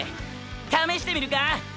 試してみるか？